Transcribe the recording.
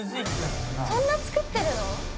そんな作ってるの？